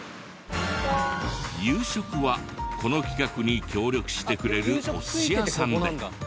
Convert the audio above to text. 夕食はこの企画に協力してくれるお寿司屋さんで。